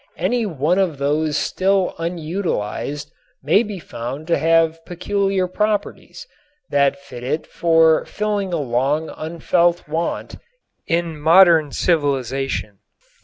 Any one of those still unutilized may be found to have peculiar properties that fit it for filling a long unfelt want in modern civilization.